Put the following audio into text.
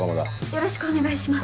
よろしくお願いします。